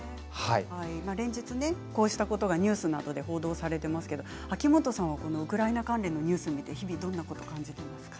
連日こうしたことがニュースなどで報道されていますが秋元さんはこのウクライナ関連のニュースを見て日々どんなことを感じていますか。